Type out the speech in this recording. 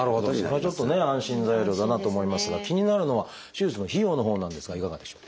それはちょっとね安心材料だなと思いますが気になるのは手術の費用のほうなんですがいかがでしょう？